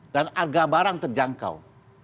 dan harga barang terjangkau